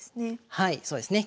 はいそうですね。